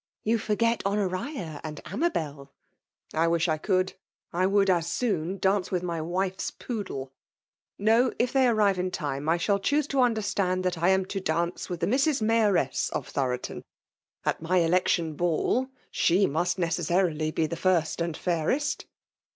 — ^You forget Honoria and Amabel ?"'' I wish I could !— I would as sOon dance with my wife's poodle ! No !— If they arrive in time, I shall choose to understand thai I am \0 dance with the Mrs. Mayoress of Tfaoro* toiL At my election ball, 9he must necessarily be the first and fairest.''